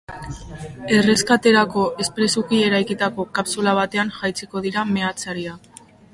Erreskaterako espresuki eraikitako kapsula batean jaitsiko dira meatzariak.